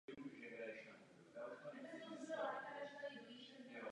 Pár děl vytvořil pro Parlament Československa.